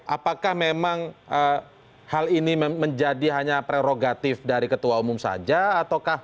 apakah memang hal ini menjadi hanya prerogatif dari ketua umum saja ataukah